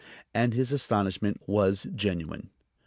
And his astonishment was genuine.